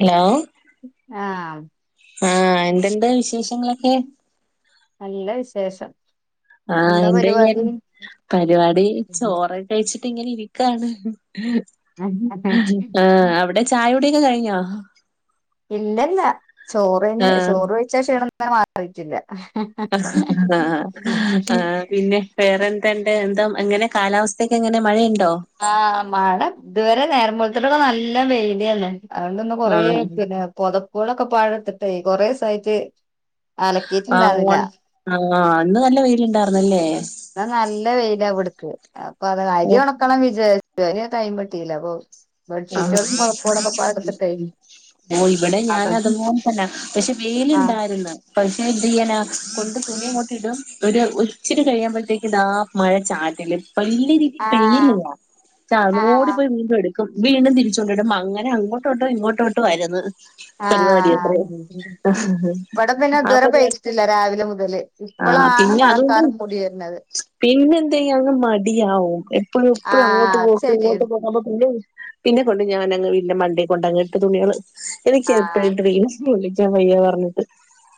Hello ആ ആ എന്തുണ്ട് വിശേഷങ്ങളൊക്കെ നല്ല വിശേഷം ആ എന്താ എന്തു പരിപാടി ചെയ്യാരുന്നു പരിപാടി ചോറൊക്കെ കഴിച്ചിട്ട് ഇങ്ങനെ ഇരിക്കാണ് ആ അവിടെ ചായകുടിയൊക്കെ കഴിഞ്ഞോ ഇല്ലല്ല ചോറിന് ആഹ് ചോറ് കഴിച്ച ക്ഷീണം ഇതുവരെ മാറിട്ടില്ല ആ ആ ആ പിന്നെ വേറെ ക്കെണ്ട് എന്താ എങ്ങനെ കാലാവസ്ഥയൊക്കെങ്ങനെ മഴയി ആ മഴ ഇതുവരെ നേരം വെളുത്തിട്ടൊക്കെ നല്ല വെയിലാണ് അതുകൊണ്ടിന്ന് കൊറേ ആഹ് പിന്നെ പൊതപ്പുകളൊക്കെ പാഴത്തിട്ടെ കൊറെ ഇസായിട്ട് അലക്കീട്ടിണ്ടാരുന്നില്ല ആ ഇന്ന് നല്ല വെയിലിണ്ടാർന്നല്ലേ ആ നല്ല വെയിലാ ഇവിടുക്കെ അപ്പൊ അത് അരി ഓഹ് ഒണക്കണം വിചാരി ഇതു വരെ ടൈം കിട്ടിയില്ല അപ്പൊ ആഹ് ബെഡ്ഷീറ്റുകളും പൊതപ്പുകളുവൊക്കെ പാടത്തിട്ടു കഴിഞ്ഞു ഓ ഇവിടെ ഞാൻ അതൊന്നും പിന്നെ പക്ഷെ വെയിലുണ്ടാരുന്നു പക്ഷെ എന്തു ചെയ്യാനാ കൊ ണ്ട് തുണിയങ്ങോട്ടിടും ഒരു ഒരിച്ചിരി കഴിയുമ്പോഴത്തേക്ക് ദാ മഴ ചാറ്റല് വലിയ രീതിയിൽ ആഹ് പെയ്യില്ല ഓടി ആഹ് പോയി വീണ്ടും എടുക്കും വീണ്ടും തിരിച്ചൊണ്ടിടും അങ്ങനെ അങ്ങോട്ടോട്ടോം ഇങ്ങോട്ടോട്ടോം ആരുന്നു ആ ഇവിടെ പിന്നെ ആ ഇതുവരെ പരിപാടി പെയ്തിട്ടില്ല രാവിലെ മുതല് ആ ഇപ്പൊളാണ് മഴക്കാലം മൂടി വരുന്നത് പിന്നെ എന്തുചെയ്യും അങ്ങ് മടിയാവും എപ്പഴും എപ്പഴും അങ്ങോട്ട് ആഹ് അത് പോക്ക് ഇങ്ങോട്ട് ശരിയാണ് പോക്ക് അപ്പൊ പിന്നെം പിന്നെ കൊണ്ട് ഞാനങ്ങ് വീടിന്റെ മണ്ടേ കൊണ്ടങ്ങ് ഇട്ട് തുണികള് എനിക്ക് എപ്പഴും ആഹ് എപ്പഴും [unintelligible] വയ്യാ പറഞ്ഞിട്ട്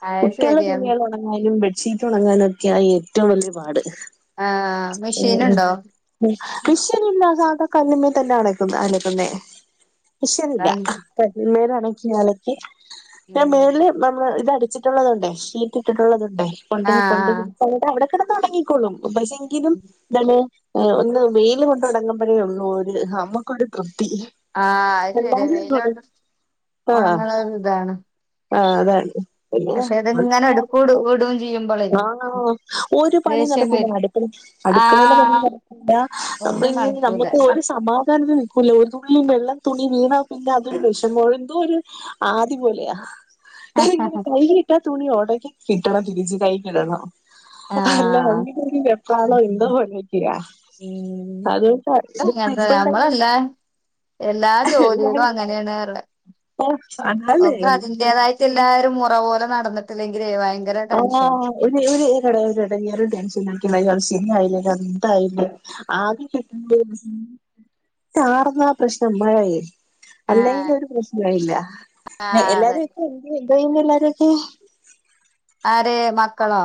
അത് കുട്ടികളുടെ ശരിയാണ് തുണികൾ ഒണങ്ങാനും ബെഡ് ഷീ ഷീറ്റൊണങ്ങാനൊക്കെയാ ഏറ്റോം വലിയ പാട് ആഹ് ഓ മെഷീനുണ്ടോ മിഷ് മിഷിനില്ലാതാക കല്ലുമ്മേ തന്നെയാണോ ഇപ്പം അലക്കുന്നേ മിഷിനില്ല ആഹ് കല്ലുമ്മേലാണ് അലക്കി ഞാൻ മേളില് നമ്മള് ഇതടിച്ചിട്ടുള്ളതൊണ്ടേ ഷീറ്റിട്ടിട്ടുള്ളതൊണ്ടേ കൊണ്ട് കൊണ്ട് അപ്പൊ ഇതവിടെ കെടന്ന് ഒണങ്ങിക്കോളും പക്ഷെങ്കിലും താണ് ന്ന് ഒന്ന് വെയില് കൊണ്ട് ഒണങ്ങുമ്പഴേ ഒള്ളൂ ഒര് നമ്മുക്കൊരു തൃപ് തി ആഹ് അത് ശരിയാ എല്ലാരും തൊട വെയിലോണ്ട് ആ ഒണങ്ങണ ഇതാണ് ആ അതായി പിന്നെ പക്ഷെ ഇതിങ്ങനെ എടുക്കൂട് ഇടും ചെയ്യുമ്പളേ ആ ഒരു പണിം ദേഷ്യം വരും നടക്കൂലന്ന് അടുക്കള അടുക്കളേലെ പണിം ആഹ് നടക്കൂല്ല ആ ഒന്നും ന്നും നടക്കൂല നമുക്ക് ഒരു സമാധാനത്തിന് നിക്കൂല ഒരു തുള്ളി വെള്ളം തുണീൽ വീണാ പിന്നെ അതൊരു വെഷമാ എന്തോ ഒരു ആദി പോലെയാ ഞാനിങ്ങനെ കൈയിലിട്ടാ തുണി ഒണങ്ങി കിട്ടണം തിരിച്ചു കൈ കിടണം അല്ല ആഹ് [unintelligible] വെപ്പാണോ എന്തോ പോലൊക്കെയാ ഉം അത് ഇപ്പം അങ്ങനത്തെ ഇപ്പണ്ട [unintelligible] നമ്മളെല്ലാ എല്ലാ ജോലികളും അങ്ങനെയാണു [unintelligible] അതാണ് ഒപ്പം അതിന്റേതായിട്ടൊളള ആ ഒരു ഇറ പോലെ നടന്നിട്ടില്ലെങ്കിൽേ ഭയങ്കര ടെൻഷൻ ട ഇ റ ഡാൻസ്ക്കുന്ന ഞ സിനി ആയില്ലേ ഞാൻ ഇന്തായില്ലേ ആദ്യം കിട്ട സാർന്നാ പ്രശ്നം മഴായി ആ അല്ലെങ്കും ഒരു പ്രശ്നയില്ല പി അതെ എല്ലാവരും ഒക്കെ എ നൈയില എല്ലാരൊക്കും ആര മക്കളാ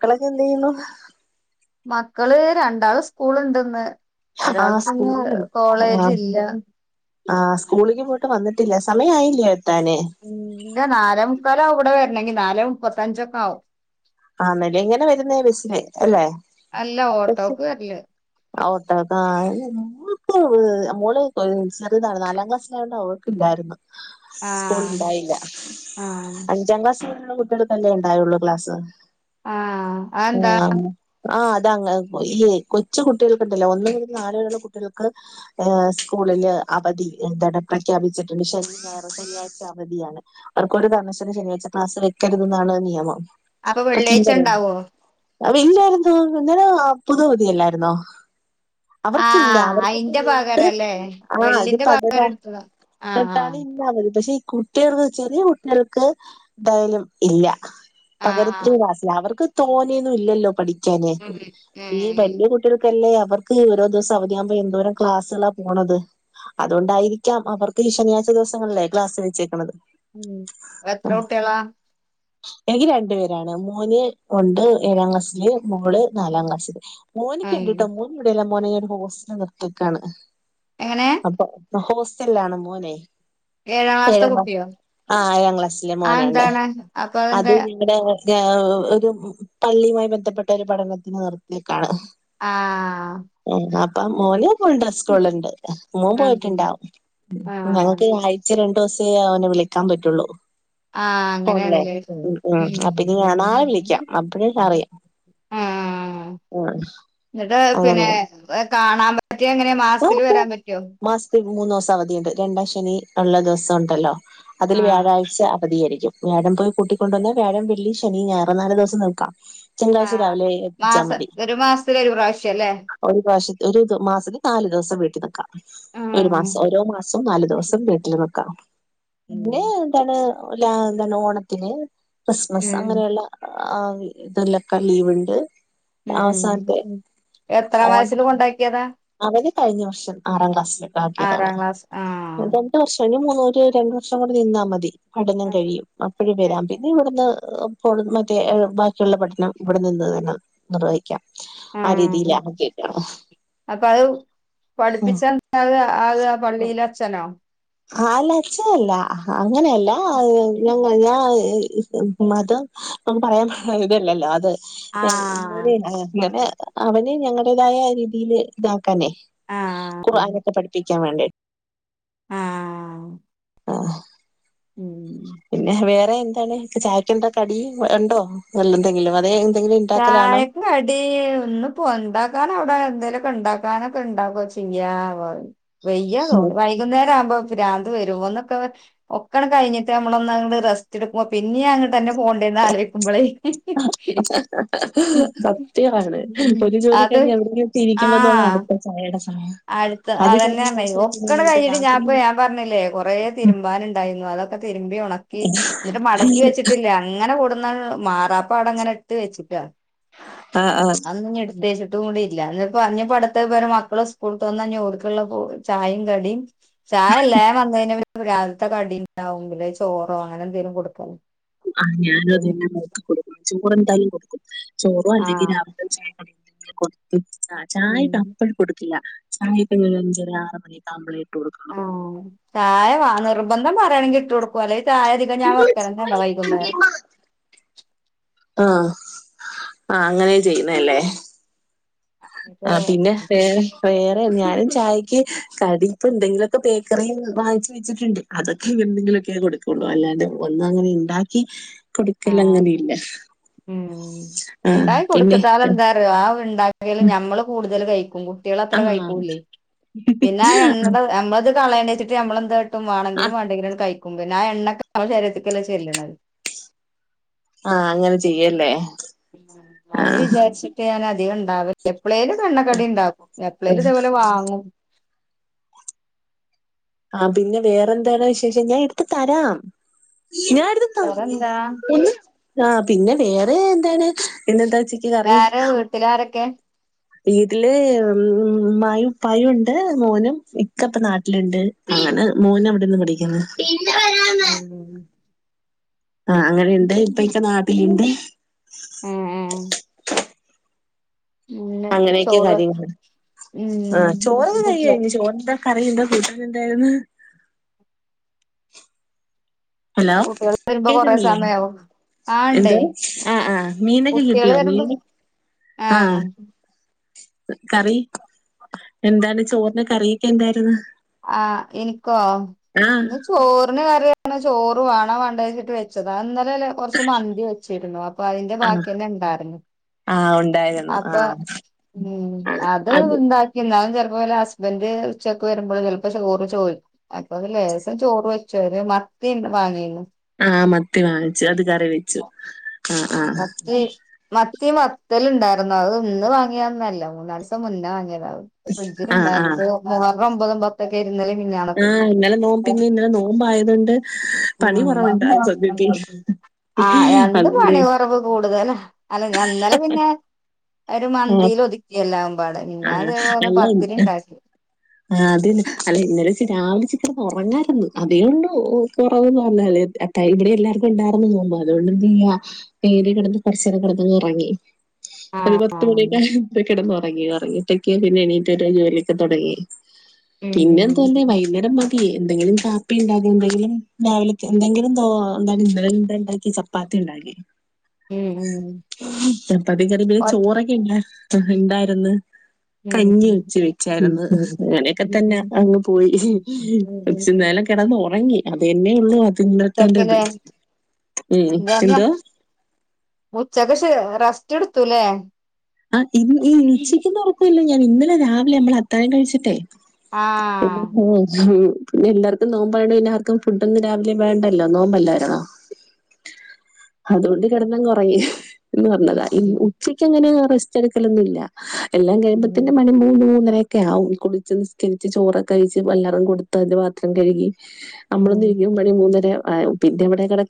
മക്കളക്ക എന്ത് ചെയ്യണ്‌ മക്കള് രണ്ടാള് സ്കൂള ഇണ്ടന്ന് ആ സ്കൂ ആ ഇല്ല ആ സ്കൂളിലക്ക് പോയിട്ട് വന്നിട്ടില്ല സമയ ആയില്ല ഇ നാല മുക്കാല ഇവിടെ വരണെങ്കി നാല് മുപ്പത്തഞ്ചൊക്കെ ആവും ആന്നല്ലേ ഇങ്ങനെ വരുന്ന ബസിന് അല്ലെ അല്ല ഓട്ടോക്ക് വരല് ഓട്ടക്ക മമ്മള് ചെറിയതാണ് നാലാം ക്ലാസ്സിലായണ്ട് അവക്ക ഇല്ലായിരുന്നു ആ സ്കൂൾ ഉണ്ടായില്ല ആ അഞ്ചാം ക്ലാസ് കുട്ടികൾക്ക തല്ലേ ഉണ്ടായുള്ളൂ ക്ലാസ് ആഹ ആതന്താ ആ അത ഈ കൊച്ച കുട്ടികൾക്ക ഉണ്ടല്ലോ ഒന്ന് മുതല് നാല് വരള്ള കുട്ടികൾക്ക് സ്കൂ അവധി എന്ത പ്രഖ്യാപിച്ചിട്ടുണ്ട് ശനി ഞായർ അവധിയാണ് അവർക്ക് ഒരു കാരണവശാ ശനാഴ്ച ക്ലാസ് വെക്കരുതെന്നാണ് നിയമം അപ്പൊ വെള്ളിയാഴ്ച ഉണ്ടാവോ അവല്ലായിരുന്നോ ഇങ്ങനെ പുതുവതില്ലായിരുന്നോ? ആ അവർക്കില്ല അവർക്കിപ്പ അയിന്റെ എന്ത് പകരല്ലേ ആ അത് വെള്ളിന്റെ പകരം പകരാ എടുത്തതാ ആ ആ എന്നിട്ടാണ് പക്ഷെ ഈ കുട്ടികൾക്ക് ചെറിയ കുട്ടികൾക്ക് എന്തായാലും ഇല്ല ആ പകര ആ അവർക്ക് തോന്നിയൊന്നും ഇല്ലല്ലോ പഠിക്കാന് ഉം ഈ ഉം വലിയ കുട്ടികൾ ഇല്ലേ അവർക്ക് ഓരോ ദിവസം അവധിയാകുമ്പോ എന്തോരം ക്ലാസ്സുകളാ പോണത് അതുകൊണ്ടായിരിക്കാം അവർക്ക് ഈ ശനിയാഴ്ച ദിവസങ്ങളല്ലേ ക്ലാസ് വെച്ചേക്കണത്. ഉം എത്ര കുട്ടികളാ എനിക്ക് രണ്ടു പേരാണ് മൂന്ന് ഒണ്ട് ഏഴാം ക്ലാസ്സില് മൂള് നാലാം ക്ലാസ്സില് മോനക്ക് ആഹ് എണ്ടട്ടോ മോന് ഇവിടെല്ല മോനെ ഒരു ഹോസ്റ്റൽ നിർത്തിക്കാണ് എങ്ങനെ അപ്പൊ ആ ഹോസ്റ്റല ആണ് മോനെ ക്ലാസ്ത്തെ ഏഴാം ക്ലാ കുട്ടിയോ ആ ആഴാം ക്ലാസ്സിലെ അത് മോനാണ്ട് എന്താണ് അപ്പൊ അത് അതെന്താ ഞങ്ങളടെ ഒരു പള്ളിയുമായി ബന്ധപ്പെട്ട ഒരു പഠനത്തിന് നിർത്തിയക്കാണ്. ആഹ അപ്പ മോന [unintelligible] സ്കൂളുണ്ട് മൂൻ ആഹ് പോയിട്ടുണ്ടാവും ആഹ് ഞങ്ങൾക്ക് കാഴച്ചുണ്ട് [unintelligible] അവനെ വിളിക്കാൻ പറ്റുള്ളൂ ആഹ അങ്ങനെയാണ്ല്ലത് ഞാനാെ വിളിക്കാം അപ്പഴ അറിയാം ആ ഉം എന്നിട്ട് പിന്നെ കാണാ പ്പ മാസത്തി മൂന്ന്സം അവധിയുണ്ട് രണ്ടാം ശനി ഉള്ള ദിവസം ഉണ്ടല്ലോ അതിൽ ആഹ് വ്യാഴാഴ്ച അവധി ആരിക്കും വ്യാഴം പോയി കൂട്ടിക്കൊണ്ട വന്നാ വ്യാഴം വെള്ളി ശനി ഞായർ നാല് ദിവസം നിൽക്കാം തിങ്കളാഴ്ച ആഹ് രാവിലെ മാസ എത്തിച്ചാൽ മതി ഒരു മാസത്തിലൊരു പ്രാവശ്യല്ലേ ഒരു പ്രവശത്തി ഒരു ത് മാസത്തി നാല് ദിവസം വീട്ട് നിക്കാം ഒരു ആഹ് മാസം ഓരോ മാസം സം നാല് ദിവസം വീട്ടില് നിക്കാം അമ്മടെ ഉം എന്താണ് ലാന്ന് പർഞ്ഞാ ഓണത്തിന് ക്രിസ്മസ് ഉം അങ്ങനെയുള്ള ആ ഇതെല്ലൊക്കെ ലീവ്ണ്ട് അവസാൻത്തെ ഉം. എത്രാം വയസ്സില് കൊണ്ടാക്ക്യതാ? അവനെ കഴിഞ്ഞ വർഷം ആറാം ക്ലാസ്സിലെക്കാക്കിയതാണ് ആറാം ക്ലാസ് ആഹ് രണ്ട് വർഷം ഇനി മൂന്ന് [unintelligible] രണ്ടു വർഷം കൂടെ നിന്നാ മതി പഠനം കഴിയും അപ്പഴും വരാം പിന്നെ ഇവട്ന്ന് ഏഹ് പൊള് മറ്റേ ബാക്കിയുള്ള പഠനം ഇവടെ നിന്ന് തന്നെ നിർവായി [unintelligible] ആ ആഹ് രീതിലാ [unintelligible] അപ്പൊ അത് പഠിപ്പിച്ച [unintelligible] അത് ആ പള്ളീല അച്ഛനോ അതല്ല അഛനല്ല അങ്ങനെയല്ല [unintelligible] മതം [unintelligible] പറയാൻ ഇതല്ലല്ലോ അത് ആഹ് [unintelligible] അവന് ഞങ്ങടേതായ രീതില് ഇതാ [unintelligible] ആഹ് ഖുർആനൊക്കെ പഠിപ്പിക്കാൻ വേണ്ടി ആഹ് ആഹ് ഉം പിന്നെ വേറെ എന്താണ് ഇപ്പ ചായക്കെന്താ കടി ഇണ്ടോ വല്ല എന്തെങ്കിലും അതെ ചായക്ക് കടി ഇന്ന്പ്പൊ ഒണ്ടാക്കാനവിടെ എന്തേലുമൊക്കെ ഉണ്ടാക്കാനൊക്കെ ഇണ്ടാക്കുവേം ചെയ്യാം. വ വെയ്യ [unintelligible] വൈകുന്നേരം ആവുമ്പോ പ്രാന്ത് വരും [unintelligible] ഒക്കെ അങ്ങട് കഴിഞ്ഞിട്ട് നമ്മളൊന്ന് അങ്ങട് റസ്റ്റ് എടുക്കുമ്പോ പിന്നേം അങ്ങട് തന്ന പോണ്ടേന്ന് ആലോചിക്കുമ്പളേ സത്യമാണ്. ഒരു ജോലി അത് കഴിഞ്ഞ് എവിടെങ്കിലും ഇത്തി ഇരിക്കുമ്പോ തോന്നും ആഹ് അടുത്ത ചായ അടുത്ത അതന്ന പറഞ്ഞത് ഒക്കടെ കഴിഞ്ഞ് കഴിഞ്ഞിട്ട് രാത്രി ഞാപ്പ ഞാൻ പറഞ്ഞില്ലേ കൊറേ തിരുമ്പാനുണ്ടായിരുന്നു അപ്പ അതൊക്കെ തിരുമ്പി ഒണക്കി എന്നിട്ട് മടക്കി വെച്ചിട്ടില്ല അങ്ങനെ [unintelligible] [unintelligible] മാറാപ്പ അവിടെ ഇങ്ങനെ എടുത്തു വെച്ചിട്ട ആ ആ [unintelligible] [unintelligible] കൂടി ഇല്ല ഇനീപ്പോ, ഇനീപ്പോ അടുത്ത ഇവരെ മക്കളും സ് [unintelligible] വന്നാ ഇനി ഓർക്കുള്ള ചായയും കടിയും [unintelligible] രാവിലത്തെ കടി [unintelligible] ചോറോ അങ്ങനെ എന്തേലും കൊടുക്കൽ ആഹ് ഞാനും അത് തന്നാ [unintelligible] ചോറ് എന്തായാലും കൊടുക്കും. ചോറോ അല്ലെങ്കിൽ ആഹ് രാവിലത്തെ [unintelligible] ചായ ഉം ഇട്ടാൽ അപ്പഴ് കൊടുക്കില്ല. [unintelligible] അഞ്ചാര ആറു മണിയൊക്കെ ആവുമ്പളെ ആഹ് ചായ വ നിർബന്ധം പറയാണെങ്കിൽ ഇട്ട് കൊടുക്കും [unintelligible] ചായ അധികം ഞാൻ [unintelligible] വൈകുന്നേരം ആഹ് ആഹ് അങ്ങനെ ചെയ്യുന്നേ അല്ലേ ആഹ് പിന്നെ വേറെ വേ അ ഞാനും ചായയ്ക്ക് കടി ഇപ്പൊ എന്തെങ്കിലുമൊക്കെ ബേക്കറി വാങ്ങി വെച്ചിട്ടുണ്ട് അതൊക്കെ എന്തെങ്കിലു തെക്കെ കൊടുക്കുള്ളൂ അല്ലാണ്ട് ഒന്നുങ്ങനെ ഇണ്ടാക്കി ആഹ് കൊടുക്കലങ്ങനെയില്ല ഉം ആഹ് ഉണ്ടായി പിന്നെ കൊടുക്കത്താൽ എന്താറിയോ ആ ഞമ്മള് കൂടുതൽ കഴിക്കും കുട്ടികള് അത്ര ആഹ് കഴിക്കൂല്ലേ പിന്നെ ആഹ് എണ്ണത് നമ്മൾത് കളയണ്ട ച്ചിട്ട് നമ്മള് എന്താട്ടും വേണെങ്കിലും ആഹ് വണ്ടെിങ്കിലും കഴി ക്കും പിന്നെ ആഹ് എണ്ണക്കെ നമ്മ ശരീരത്തിക്കല്ലെ ചെല്ല്ണത് ആഹ് അങ്ങനെ ചെയ്യല്ലേ അത് ആഹ് വിചാരിച്ചിട്ട് ഞാന് അധിക ഇണ്ടാവെല്ല എപ്പ്ളേല് കണ്ണക്കടി ഇണ്ടാക്കും എപ്പളേല് ഇതേപോലെ വാങ്ങും ആഹ് പിന്നെ വേറെന്തണ് വിശേഷം ഞാൻ എടുത്ത് തരാം ഞാ എടുത്ത് ത വേറെന്താ ഒന്ന് ആഹ് പിന്നെ വേറെ എന്താണ് പിന്നന്താ ആര വീട്ടിലാരൊക്കെ വീട്ടില് ഉമ്മായും പയുണ്ട് മോനും ഇക്ക ഇപ്പ നാട്ടിലുണ്ട് അങ്ങനെ മോന് അവിടെന്ന് പഠിക്കുന്ന് [inaudible] ആഹ അങ്ങനെയുണ്ട് ഇപ്പക്കെ നാടിലുണ്ട് ഏഹ് ഏഹ് പിന്നെ അങ്ങനെയൊക്കെ ചോറ് കാര്യങ്ങ ആ ചോറ് ഉം കുട്ടികൾ കഴഴിഞ്ഞഞ് ചോറ്ന്താ കറിയണ്ടോ കൂട്ട എന്തായിന്ന് ഹലോ കുട്ടികൾ വരുമ്പോ കൊറേ കേക്കില്ലേ സമയാവും ആ ഇണ്ടേ എന്താ ആ ആഹ മീനൊക്കെ കിട്ടിയോ മീന ആഹ [unintelligible] കറി എന്താണ് ചോറിന കറിയൊക്കെ എന്തായിന്ന് ആഹ എനിക്കോ ഇന്ന് ചോറിന്െ വര അെ ചോറുണ വണ്ട കഴച്ചിട്ട് വെച്ചത് അന്നലെ കുറച്ച് മന്തി വെച്ചിരുന്നു അപ്പൊ അതിന്റെ ആഹ് ബാക്കി തന്നെ ഇണ്ടായിരുന്നു ആഹ് ഉണ്ടായിരുന്നു അപ്പൊ ആഹ് ഉ അത് ഉണ്ടാക്കിുന്നാലും ചെ അപോലെ ഹസ്ബന്ഡറ് ഉച്ചക്ക് വരുമ്പോൾ ചിലപ്പോ ചോറ് ചോ അപ്പൊത് ലേസം ചോറ് വെച്ചു തന്ത പണന്ന് ആഹ മത്തി വാങ്ങിച്ചു അത് കറി വെച്ചു ആഹ് മ ആഹ് മത്തി മ ൽ ഉണ്ടായിരുന്നു അത് ഒന്ന് വാങ്ങിയന്നല്ല മൂന്ന ദിവസം മുന്നേ വാങ്ങിയരുന്നു ആഹ് ആഹ് ഫ്രിഡ്ജണ്ടൂ ഒമ്പതും പത്തൊക്കെ ഇന്നലെ പിന്നെയണൊക്കെ ആഹ് ഇന്നലെ നോമ്പ് പിന്നെ ഇന്നലെ നോമ്പായതുകൊണ്ട് പണി കുറവുണ്ടായിരുന്നു സത്യത്തി ഉ ആഹ എന്ത് അതുകൊണ്ട് മണി ഉറവ് കൂടുതൽ അല്ല എന്നാല പിന്നെ ഒരു ആഹ് മന്തിൽ ഒതുക്കിയല്ലാം ടെ നിന്നെ അതേപോലെ പത്തിരി ഇണ്ടാക്കേ ആ അതന്നെ അല്ലെ ഇന്നല രാവിലെ ചിിക്കരം ഉറങ്ങാരുന്നു അതേൊണ്ട്ു കുറവന്ന് പറഞ്ഞല്ലേ അ ഇവിടെ എല്ലാവർക്കും ഉണ്ടാർന്ന് തോുമ്പോ അതുകൊണ്ട് എന്ത് ചെയ്യ നേരി കിടന്ന് കുറച്ച നേര കിടന്ന ഇറങ്ങി ഒരു പത്ത് ആഹ് മണിയൊക്ക്പ കിടന്ന്ുറങ്ങി ഉറങ്ങിട്ടക്ക പിന്നെ എണീട്ട ഒരു ജോലിയൊക്കെ തുടങ്ങി ഉം പിന്നെതുന്നെ ഉം വൈകുന്നേരം മാ എന്തെങ്കിലും പാപ്പി ഉണ്ടാകോ എന്തെങ്കിലും രാവില എന്തെങ്കിലുംോ എന്ത ഇന്നലെ ഇന്ത ഉണ്ടാക്കി ചപ്പാത്തി ഉം ഉം ിലെ [inaudible] ചപ്പതി കരിമ്പെ ഒറ്റ ചോറൊക്കെ ഇണ്ട ഉണ്ടായിന്ന് കഞ്ഞി ഉച്ച വെച്ചായിരുന്നു അങ്ങനൊക്കെ തന്നെ അങ്ങ് പോയിച്ചന്തല കിടന്ന് ഉറങ്ങി അത്തന്നെള്ളൂ തിന്നത്തേറത് ഉച്ചക്കില്ലേ ഉം എന്താ ഉച്ചക്കക്ഷെ റസ്റ്റ് എടുത്തൂല്ലേ ആ ഇ ഈ ഇഈചിക്കുന്ന ഉറപ്പല്ലോ ഞാൻ ഇന്നലെ രാവിലെ നമ്മള് അത്തഴം കഴിച്ചിട്ടെ എ ആഹ് പിന്നെ എല്ലാവർക്കും നോമ്പണ എല്ലാവർക്കും ഫുഡ ഒന്ന് രാവിലെ വേണ്ടല്ലോ നോമ്പല്ല ആരണോ അതുകൊണ്ട് ഘടന കുറയും എന്ന് പറഞ്ഞതാ ഉം ഉച്ചക്ക് അങ്ങനെ റെസ്റ്റ് എടുക്കലൊന്നുംല്ല എല്ലാം കഴിയുമ്പോൾ തന്നെ മണി മൂന്നരആകും ഒെ ആ കുളടിച്ച് നിസ്കരിച്ച് ചോറൊക്കെ കഴിച്ച് വല്ലാവരും കൊടുത്തതിന്റെ പാത്രം കഴുകി നമ്മളൊന്ന ഉം. ഇരിക്ക മണി മൂന്നര പിന്നെ ഇവിടെ കട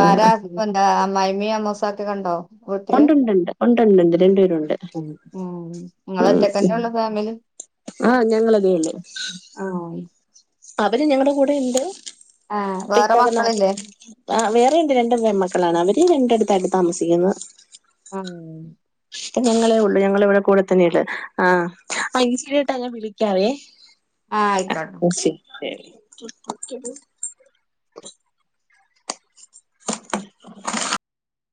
ആ എന്താ അമ്മായി്മീ അമ്മൂസക്കൊക്കെണ്ടോ ത്തില് ഉണ്ടുണ്ടുണ്ട് ഉണ്ടുണ്ടുണ്ട് രണ്ടുപേരുണ്ട് നിങ്ങളത്തക്കന്നെ ഉള്ള ഫാമിലി ആഹ ഞങ്ങളതേല്ലേ ആഹ് അവര് ഞങ്ങളടെ കൂടെ ഉണ്ട് ആഹ് പിെ വേറെ ന മക്കളില്ലേ ആ വേറെ എന്റെ രണ്ടും പെമക്കളാണ് അവര് രണ്ടടുത്തായിട്ട് താമസിക്കുന്നത് ആഹ ഞങ്ങളെ ഉള്ളു ഞങ്ങള ഇവിടെ കൂടെ തന്നെയള്ള ആ അഈ ശരിായിട്ടാ ഞാൻ വിളിക്കാറേ ആഹ ആയിക്കോട്ടോ ശരി [inaudible]